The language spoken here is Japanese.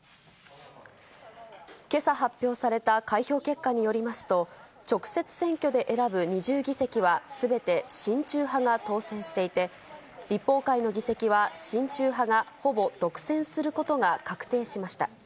けさ発表された開票結果によりますと、直接選挙で選ぶ２０議席はすべて親中派が当選していて、立法会の議席は親中派がほぼ独占することが確定しました。